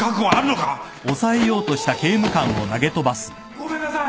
ごめんなさい！